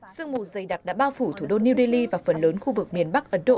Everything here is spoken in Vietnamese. sương mù dày đặc đã bao phủ thủ đô new delhi và phần lớn khu vực miền bắc ấn độ